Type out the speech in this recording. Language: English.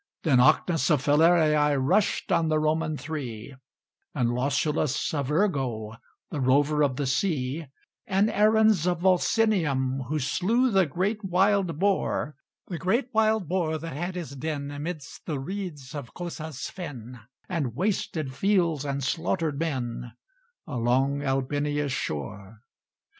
Then Ocnus of Falerii Rushed on the Roman Three; And Lausulus of Urgo, The rover of the sea; And Aruns of Volsinium, Who slew the great wild boar, The great wild boar that had his den Amidst the reeds of Cosa's fen, And wasted fields, and slaughtered men, Along Albinia's shore.